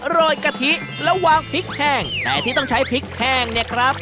โรยกะทิแล้ววางพริกแห้งแต่ที่ต้องใช้พริกแห้งเนี่ยครับ